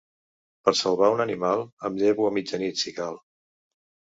Per salvar un animal, em llevo a mitjanit, si cal!